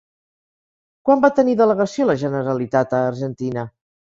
Quan va tenir delegació la Generalitat a Argentina?